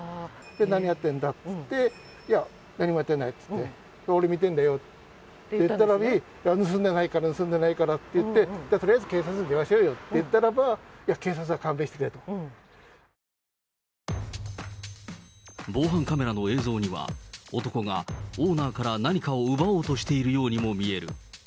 何やってんだって言って、いや、何もやってないって言って、俺見てんだよって言ったのに、盗んでないから、盗んでないからっていって、じゃあとりあえず警察に電話しようよって言ったら、警察は勘弁し防犯カメラの映像には、男がオーナーから何かを奪おうとしているようにも見える。